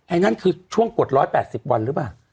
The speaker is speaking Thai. อันนั้นคือช่วงกด๑๘๐วันหรือเปล่า